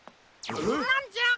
なんじゃ？